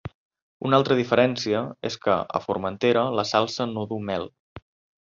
Una altra diferència és que a Formentera la salsa no du mel.